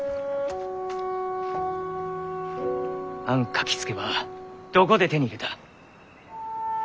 あん書きつけばどこで手に入れた？